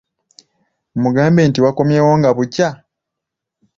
Mugambe nti wakomyewo nga bukya?